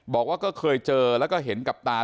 บอกว่าก็เคยเจอแล้วก็เห็นกับตา